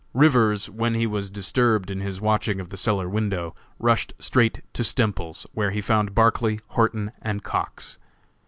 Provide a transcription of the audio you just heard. Rivers, when he was disturbed in his watching of the cellar window, rushed straight to Stemples's, where he found Barclay, Horton and Cox.